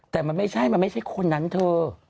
แต่มันไม่ใช่มันไม่ใช่คนนั้นเธอ